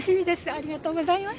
ありがとうございます。